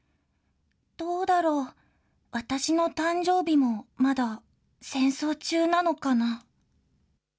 どうだろう、私の誕生日もまだ戦争中なのかな。